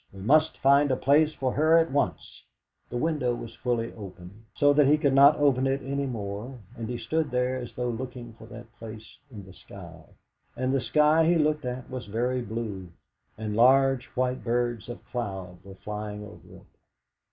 "We must find a place for her at once." The window was fully open, so that he could not open it any more, and he stood there as though looking for that place in the sky. And the sky he looked at was very blue, and large white birds of cloud were flying over it.